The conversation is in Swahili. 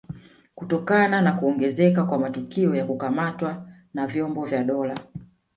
Kutokana na kuongezeka kwa matukio ya kukamatwa na vyombo vya dola